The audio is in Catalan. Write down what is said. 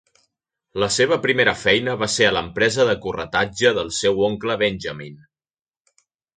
La seva primera feina va ser a l'empresa de corretatge del seu oncle Benjamin.